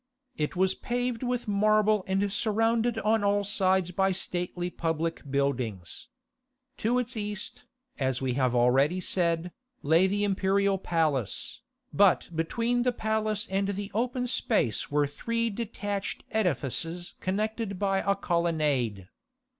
It was paved with marble and surrounded on all sides by stately public buildings. To its east, as we have already said, lay the imperial palace, but between the palace and the open space were three detached edifices connected by a colonnade.